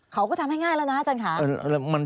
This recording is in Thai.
เขาก็ทำให้ง่ายแล้วนะอาจารย์ค่ะ